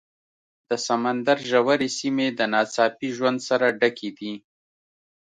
د سمندر ژورې سیمې د ناڅاپي ژوند سره ډکې دي.